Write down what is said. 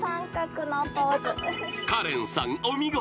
［カレンさんお見事］